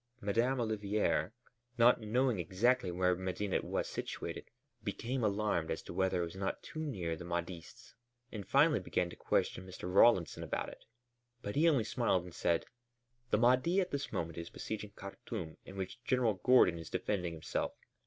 Madame Olivier, not knowing exactly where Medinet was situated, became alarmed as to whether it was not too near the Mahdists, and finally began to question Mr. Rawlinson about it. But he only smiled and said: "The Mahdi at this moment is besieging Khartûm in which General Gordon is defending himself.